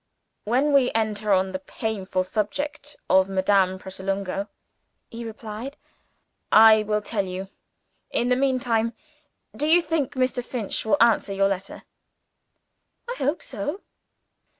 "When we enter on the painful subject of Madame Pratolungo," he replied, "I will tell you. In the meantime, do you think Mr. Finch will answer your letter?" "I hope so."